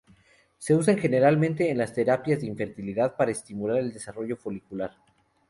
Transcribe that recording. Se usan generalmente en las terapias de infertilidad para estimular el desarrollo folicular.